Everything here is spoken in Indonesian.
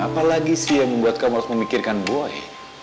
apa lagi sih yang membuat kamu harus memikirkan boy